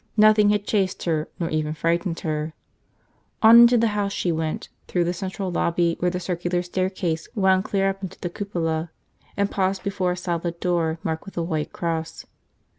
Nothing had chased her nor even frightened her. On into the house she went, through the central lobby where the circular staircase wound clear up into the cupola, and paused before a solid door marked with a white cross.